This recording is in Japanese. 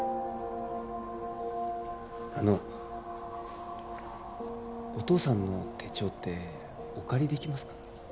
あのお父さんの手帳ってお借りできますか？